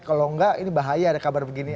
kalau enggak ini bahaya ada kabar begini